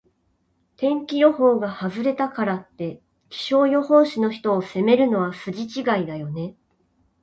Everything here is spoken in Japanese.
天気予報が外れたからって、気象予報士の人を責めるのは筋違いだよね。